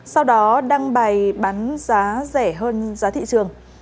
sau đó đăng bài bán giá rẻ hơn giá thị trường